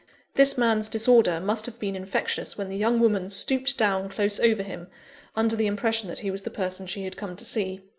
This man's disorder must have been infectious when the young woman stooped down close over him, under the impression that he was the person she had come to see.